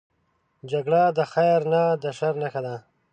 جګړه د خیر نه، د شر نښه ده